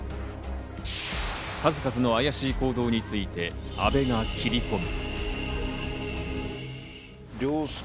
数々のあやしい行動について阿部が切り込む。